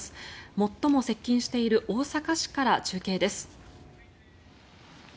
最も接近している大阪市から中継です。